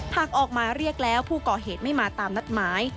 หากออกหมายเรียกแล้วผู้ก่อเหตุไม่มาตามนัดหมาย